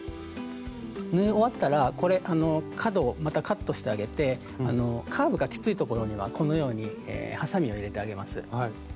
縫い終わったらこれ角をまたカットしてあげてカーブがきついところにはこのようにハサミを入れてあげます。